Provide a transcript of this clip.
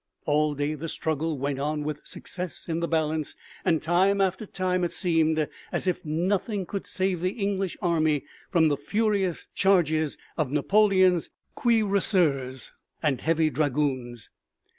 All day the struggle went on with success in the balance and time after time it seemed as if nothing could save the English army from the furious charges of Napoleon's cuirassiers and heavy dragoons.